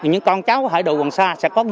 những con cháu hải đội quảng sa